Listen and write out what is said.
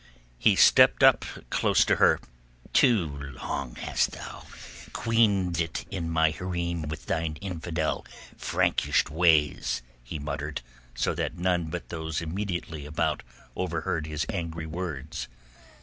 He stepped close up to her. "Too long already hast thou queened it in my hareem with thine infidel, Frankish ways," he muttered, so that none but those immediately about overheard his angry words.